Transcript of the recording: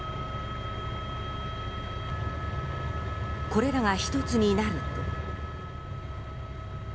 これらが１つになると。